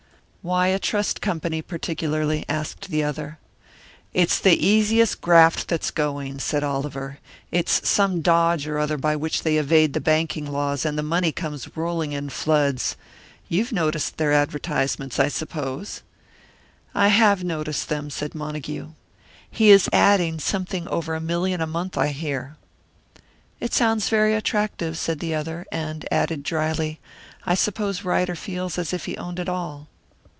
"Why a trust company particularly?" asked the other. "It's the easiest graft that's going," said Oliver. "It's some dodge or other by which they evade the banking laws, and the money comes rolling in in floods. You've noticed their advertisements, I suppose?" "I have noticed them," said Montague. "He is adding something over a million a month, I hear." "It sounds very attractive," said the other; and added, drily, "I suppose Ryder feels as if he owned it all."